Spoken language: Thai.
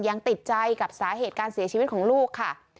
ยังติดใจกับสาเหตุการเสียชีวิตของลูกค่ะ